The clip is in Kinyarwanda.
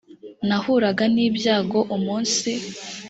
nahuraga n ibyago umunsi